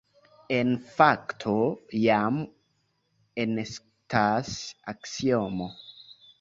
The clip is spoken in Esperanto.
En fakto, jam enestas aksiomo.